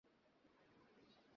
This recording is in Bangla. গানটা তো বেশ তালের ছিল।